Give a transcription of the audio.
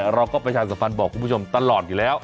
เราก็ประชาสภัณฑ์บอกคุณผู้ชมตลอดอยู่แล้ว